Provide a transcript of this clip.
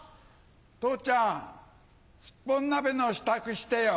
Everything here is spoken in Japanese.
父ちゃんすっぽん鍋の支度してよ。